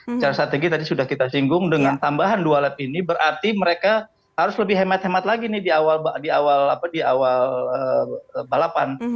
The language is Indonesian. secara strategi tadi sudah kita singgung dengan tambahan dua lap ini berarti mereka harus lebih hemat hemat lagi nih di awal balapan